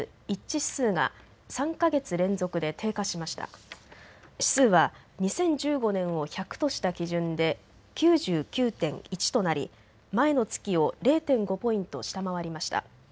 指数は２０１５年を１００とした基準で９９．１となり、前の月を０．５ポイント下回りました。